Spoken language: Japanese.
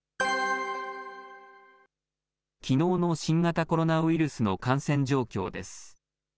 きのうの新型コロナウイルスの感染状況です。